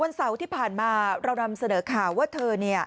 เสาร์ที่ผ่านมาเรานำเสนอข่าวว่าเธอ